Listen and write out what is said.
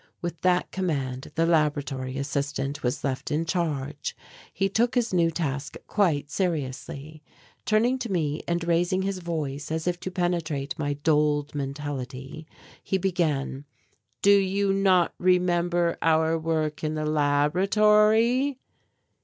With that command the laboratory assistant was left in charge. He took his new task quite seriously. Turning to me and raising his voice as if to penetrate my dulled mentality, he began, "Do you not remember our work in the laboratory?"